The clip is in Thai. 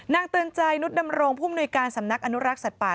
เตือนใจนุษดำรงผู้มนุยการสำนักอนุรักษ์สัตว์ป่า